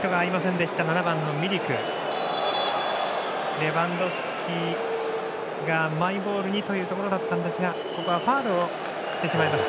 レバンドフスキがマイボールにというところでしたがここはファウルをしてしまいました。